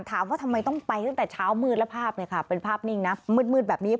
ถามว่าทำไมต้องไปตั้งแต่เช้ามืดแล้วภาพเนี่ยค่ะเป็นภาพนิ่งนะมืดแบบนี้